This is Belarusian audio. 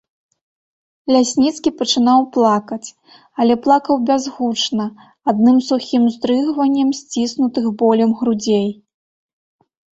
Лясніцкі пачынаў плакаць, але плакаў бязгучна, адным сухім уздрыгваннем сціснутых болем грудзей.